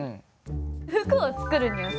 服を作るにはさ。